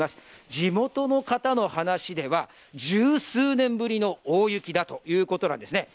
地元の方の話では十数年ぶりの大雪だということなんですね。